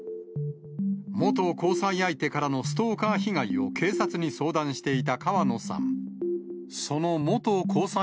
元交際相手からのストーカー被害を警察に相談していた川野さん。